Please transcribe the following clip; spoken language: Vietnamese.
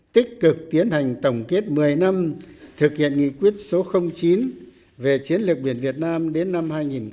tích cực tiến hành tổng kết một mươi năm thực hiện nghị quyết số chín về chiến lược biển việt nam đến năm hai nghìn hai mươi